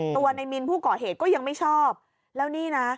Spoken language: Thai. ตัวในมินผู้ก่อเหตุก็ยังไม่ชอบแล้วนี่นะ